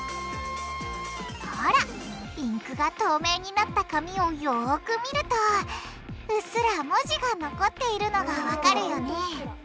ほらインクが透明になった紙をよく見るとうっすら文字が残っているのがわかるよね。